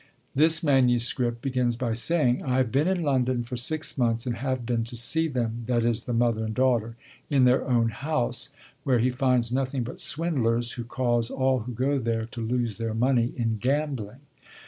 This manuscript begins by saying: 'I have been in London for six months and have been to see them (that is, the mother and daughter) in their own house,' where he finds nothing but 'swindlers, who cause all who go there to lose their money in gambling.'